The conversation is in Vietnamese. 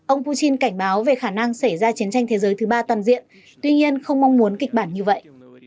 ông putin cảnh báo về khả năng xảy ra chiến tranh thế giới thứ ba toàn diện tuy nhiên không mong muốn kịch bản như vậy